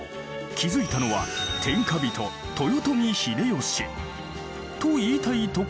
築いたのは天下人豊臣秀吉と言いたいところだが。